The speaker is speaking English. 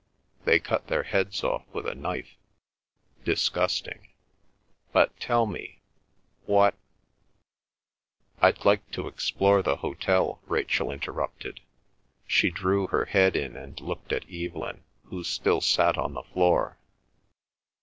"They cut their heads off with a knife—disgusting! But tell me—what—" "I'd like to explore the hotel," Rachel interrupted. She drew her head in and looked at Evelyn, who still sat on the floor.